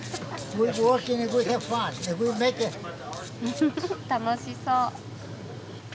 フフフフッ楽しそう。